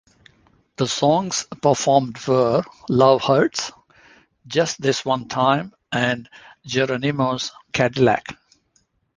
The songs performed were "Love Hurts", "Just This One Time" and "Geronimo's Cadillac".